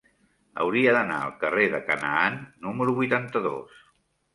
Hauria d'anar al carrer de Canaan número vuitanta-dos.